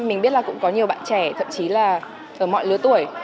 mình biết là cũng có nhiều bạn trẻ thậm chí là ở mọi lứa tuổi